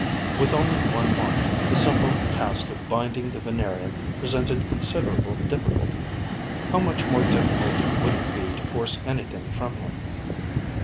With only one arm, the simple task of binding the Venerian presented considerable difficulty. How much more difficult would it be to force anything from him?